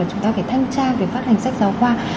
chúng ta phải thanh tra việc phát hành sách giáo khoa